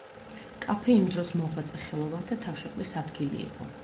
კაფე იმ დროს მოღვაწე ხელოვანთა თავშეყრის ადგილი იყო.